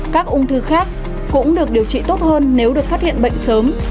các ung thư khác cũng được điều trị tốt hơn nếu được phát hiện bệnh sớm